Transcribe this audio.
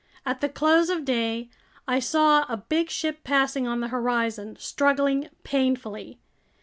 At the close of day, I saw a big ship passing on the horizon, struggling painfully.